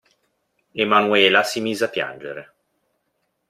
E Manuela si mise a piangere.